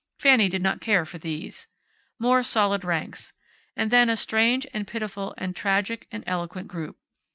Fanny did not care for these. More solid ranks. And then a strange and pitiful and tragic and eloquent group.